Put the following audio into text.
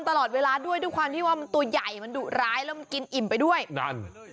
พอขังมีเมื่อกีดขึ้น